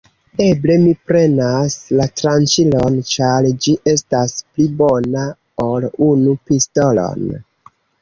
Eble mi prenas la tranĉilon, ĉar ĝi estas pli bona ol unu pistolon.